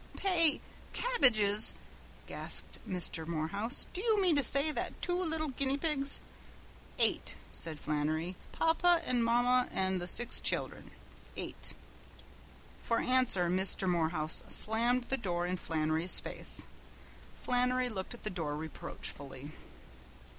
"Pay Cabbages !" gasped Mr. Morehouse. "Do you mean to say that two little guinea pigs " "Eight!" said Flannery. "Papa an' mamma an' the six childer. Eight!" For answer Mr. Morehouse slammed the door in Flannery's face. Flannery looked at the door reproachfully.